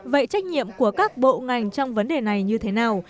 vậy trách nhiệm của các bộ ngành trong vấn đề này như thế nào